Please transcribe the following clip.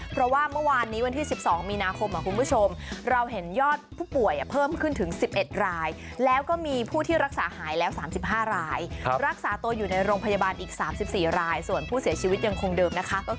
เพราะว่าเมื่อวานนี้วันที่๑๒มีนาคมนะคุณผู้ชม